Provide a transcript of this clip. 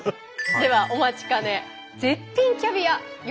ではお待ちかね絶品キャビア用意しました。